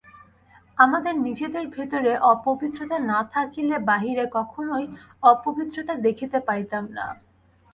আমাদের নিজেদের ভিতরে অপবিত্রতা না থাকিলে বাহিরে কখনই অপবিত্রতা দেখিতে পাইতাম না।